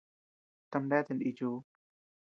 Tama neatea nichiu.